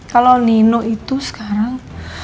kalau nino itu sekarang